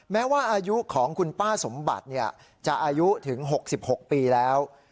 แม้ว่าอายุของคุณป้าสมบัติจะอายุถึง๖๖ปีแล้ว